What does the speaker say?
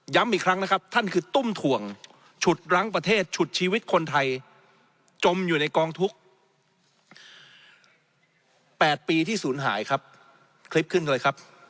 ย้ำอีกครั้งนะครับท่านคือตุ้มถ่วงฉุดรังประเทศฉุดชีวิตคนไทยจมอยู่ในกองทุกข์